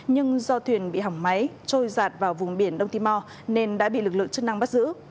nhưng do thuyền bị hỏng máy trôi giạt vào vùng biển đông timor nên đã bị lực lượng chức năng bắt giữ